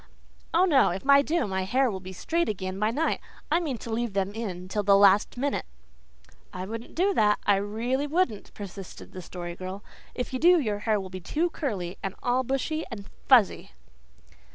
"Oh, no; if I do my hair will be straight again by night. I mean to leave them in till the last minute." "I wouldn't do that I really wouldn't," persisted the Story Girl. "If you do your hair will be too curly and all bushy and fuzzy."